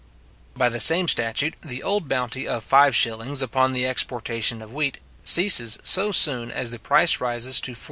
By the same statute, the old bounty of 5s. upon the exportation of wheat, ceases so soon as the price rises to 44s.